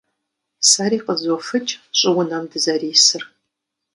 Сэри къызофыкӀ щӀыунэм дызэрисыр.